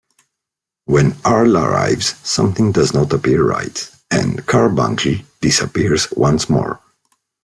When Arle arrives, something does not appear right, and Carbuncle disappears once more.